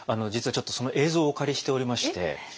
実はちょっとその映像をお借りしておりまして。